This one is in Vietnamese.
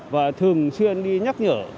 và thường chuyên đi nhắc nhở